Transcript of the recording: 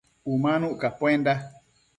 Umanuc capuenda